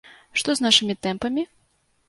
Што з нашымі тэмпамі?